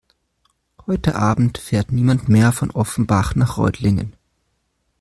Heute Abend fährt niemand mehr von Offenbach nach Reutlingen